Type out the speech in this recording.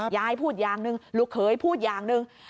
ยายพูดอย่างหนึ่งลูกเขยพูดอย่างหนึ่ง